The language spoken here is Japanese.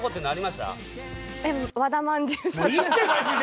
もういいってマジで！